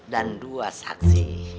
dan dua saksi